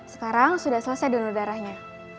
sekarang sudah selesai donor darahnya